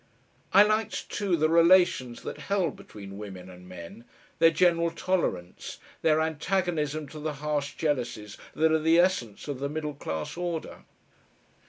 I liked, too, the relations that held between women and men, their general tolerance, their antagonism to the harsh jealousies that are the essence of the middle class order....